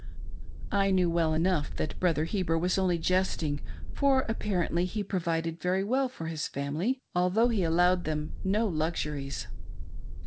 I knew well enough that Brother He ber was only jesting, for apparently he provided very well for his family, althbugh he allowed them no luxuries.